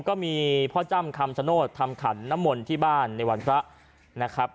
ก็มีพ่อจ้ำคำชโนธทำขันน้ำมนต์ที่บ้านในวันพระนะครับ